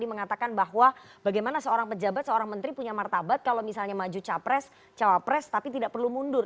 mengatakan bahwa bagaimana seorang pejabat seorang menteri punya martabat kalau misalnya maju capres cawapres tapi tidak perlu mundur